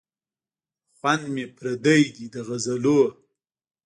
خوند مي پردی دی د غزلونو